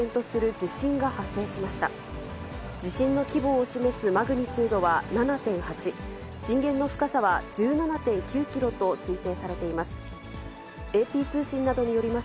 地震の規模を示すマグニチュードは７．８、震源の深さは１７．９キロと推定されています。